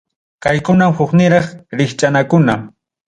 Kaykunam hukniraq rikchhanakuna.